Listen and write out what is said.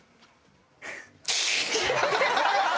ハハハ。